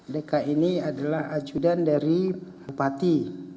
dki ini adalah ajudan dari bupati